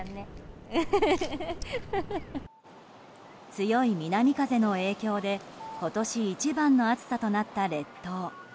強い南風の影響で今年一番の暑さとなった列島。